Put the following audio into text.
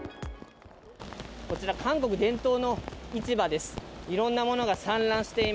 こちら、韓国伝統の市場です。